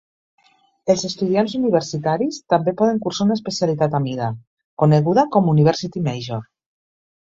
Els estudiants universitaris també poden cursar una especialitat a mida, coneguda com "University Major".